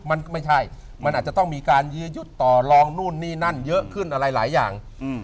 มันก็ไม่ใช่มันอาจจะต้องมีการยื้อยุดต่อลองนู่นนี่นั่นเยอะขึ้นอะไรหลายอย่าง